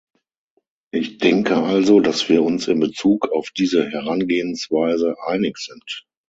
Ich denke also, dass wir uns in Bezug auf diese Herangehensweise einig sind.